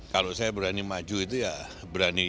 kalau saya berani maju itu ya berani